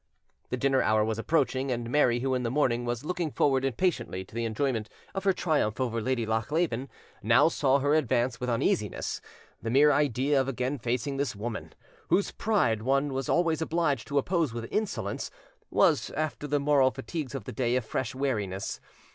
The dinner hour was approaching, and Mary, who in the morning was looking forward impatiently to the enjoyment of her triumph over Lady Lochleven, now saw her advance with uneasiness: the mere idea of again facing this woman, whose pride one was always obliged to oppose with insolence, was, after the moral fatigues of the day, a fresh weariness.